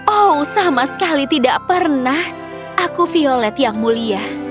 oh sama sekali tidak pernah aku violet yang mulia